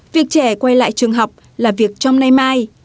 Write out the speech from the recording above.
việc trẻ quay lại trường học là việc trong nay mai